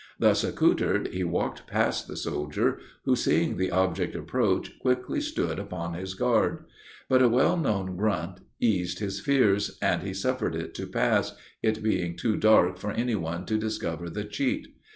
Thus accoutred, he walked past the soldier, who, seeing the object approach, quickly stood upon his guard. But a well known grunt eased his fears, and he suffered it to pass, it being too dark for any one to discover the cheat.